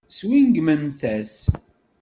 Swingmemt-as.